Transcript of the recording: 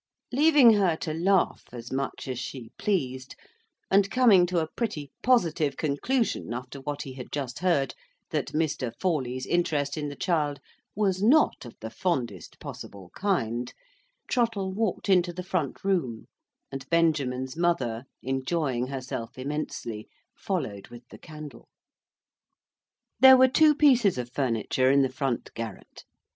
Leaving her to laugh as much as she pleased, and coming to a pretty positive conclusion, after what he had just heard, that Mr. Forley's interest in the child was not of the fondest possible kind, Trottle walked into the front room, and Benjamin's mother, enjoying herself immensely, followed with the candle. There were two pieces of furniture in the front garret.